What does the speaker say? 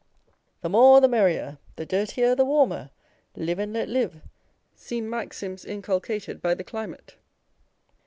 The more, the merrier; the dirtier, the warmer ; live and let live, seem maxims inculcated by the climate.